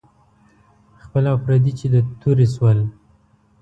خپل او پردي چې د تورې شول.